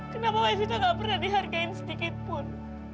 kenapa evita gak pernah dihargain sedikit pun